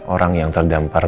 orang yang terdampar